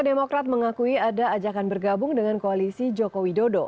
demokrat mengakui ada ajakan bergabung dengan koalisi joko widodo